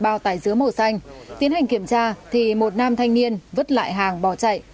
bao tải dứa màu xanh tiến hành kiểm tra thì một nam thanh niên vứt lại hàng bỏ chạy